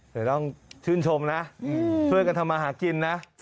แต่ต้องชื่นชมนะช่วยกันทำมาหากินนะ